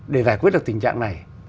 để giải quyết được tình trạng này